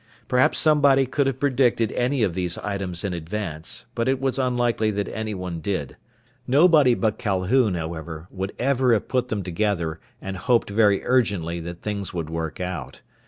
Perhaps somebody could have predicted any of these items in advance, but it was unlikely that anyone did. Nobody but Calhoun, however, would ever have put them together and hoped very urgently that things would work out.